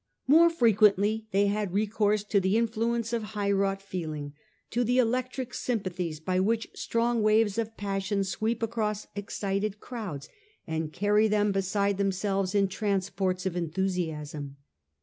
More frequently they had recourse to the in excitc fluence of highwrought feeling, to the electric sympathies by which strong waves of passion sweep across excited crowds, and carry them beside themselves A. H M CH. VII. 1 62 TJie Age of the A ntonines. in transports of enthusiasm.